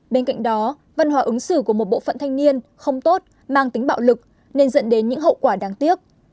bên cạnh đó văn hóa ứng xử của một bộ phận thanh niên không tốt mang tính bạo lực nên dẫn đến những hậu quả đáng tiếc